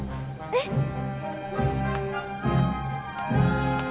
えっ！